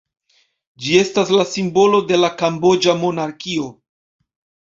Ĝi estas la simbolo de la kamboĝa monarkio.